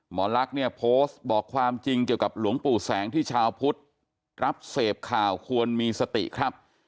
หมอลักษณ์เนี่ยโพสต์บอกความจริงเกี่ยวกับหลวงปู่แสงที่ชาวพุทธรับเสพข่าวควรมีสติครับ